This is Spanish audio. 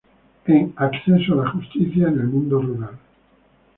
En: Acceso a la justicia en el mundo rural.